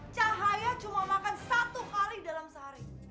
cahaya cuma makan satu kali dalam sehari